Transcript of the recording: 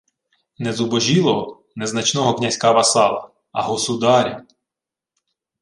Не зубожілого, незначного князька-васала, а – государя!